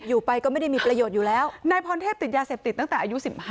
อยู่ไปก็ไม่ได้มีประโยชน์อยู่แล้วนายพรเทพติดยาเสพติดตั้งแต่อายุ๑๕